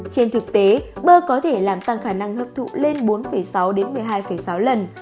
trên thực tế bơ có thể làm tăng khả năng hấp thụ lên bốn sáu một mươi hai sáu lần